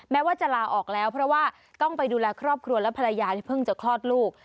แม้ว่าจะลาออกแล้วเพราะว่าต้องไปดูแลครอบครัวและภรรยาที่เพิ่งจะคลอดลูก